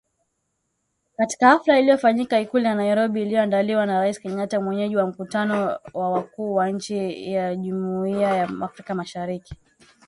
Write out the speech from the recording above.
Katika hafla iliyofanyika Ikulu ya Nairobi iliyoandaliwa na Rais Kenyatta mwenyeji wa mkutano wa wakuu wa nchi za Jumuiya ya Afrika Mashariki